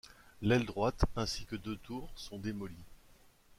L'aile droite, ainsi que deux tours, sont démolies.